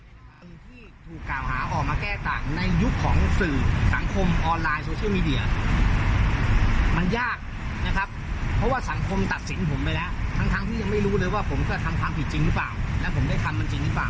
คนที่ถูกกล่าวหาออกมาแก้ต่างในยุคของสื่อสังคมออนไลน์โซเชียลมีเดียมันยากนะครับเพราะว่าสังคมตัดสินผมไปแล้วทั้งทั้งที่ยังไม่รู้เลยว่าผมกระทำความผิดจริงหรือเปล่าแล้วผมได้ทำมันจริงหรือเปล่า